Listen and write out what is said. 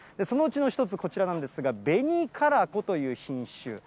そのうちの一つ、こちらなんですが、紅唐子という品種。